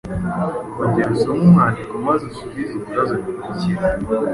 Ongera usome umwandiko maze usubize ibibazo bikurikira: